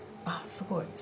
あっすごい。